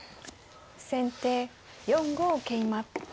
先手４五桂馬。